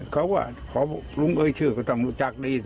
เขาว่าขอบุรุงเอ็ยเชื่อก็ต้องรู้จักดีสิ